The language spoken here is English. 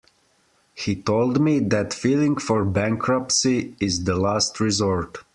He told me that filing for bankruptcy is the last resort.